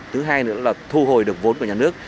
thứ hai nữa là thu hồi được vốn của nhà nước